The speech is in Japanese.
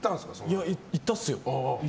いや、言ったっすよ。